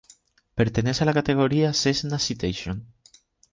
Pertenece a la categoría Cessna Citation.